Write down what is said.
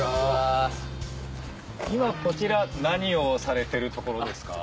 今こちら何をされてるところですか？